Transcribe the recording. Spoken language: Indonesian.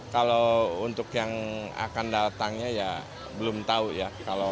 kalau untuk yang akan datangnya ya belum tahu ya